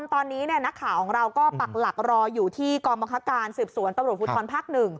ตอนนี้เนี่ยนักข่าวของเราก็ปักหลักรออยู่ที่กรมบังคักการณ์สืบส่วนตรวจฟุทธรรมภาคหนึ่ง